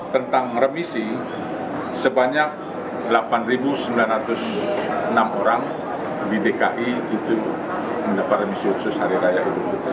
tentang remisi sebanyak delapan sembilan ratus enam orang di dki itu mendapat remisi khusus hari raya idul fitri